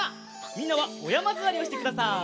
みんなはおやまずわりをしてください。